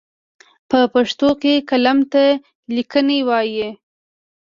په پښتو کې قلم ته ليکنی وايي.